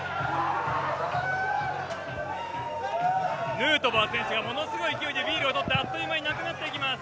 ヌートバー選手がものすごい勢いでビールを取ってあっという間になくなっていきます。